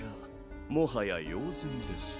もはや用済みです。